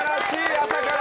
朝から。